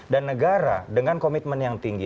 dan negara dengan komitmen yang tinggi